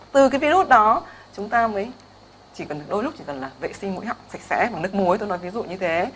từ cái virus đó chúng ta mới chỉ cần đôi lúc chỉ cần là vệ sinh mũi họng sạch sẽ bằng nước muối tôi nói ví dụ như thế